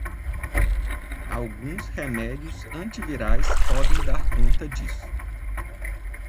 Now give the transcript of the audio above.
Alguns remédios antivirais podem dar conta disso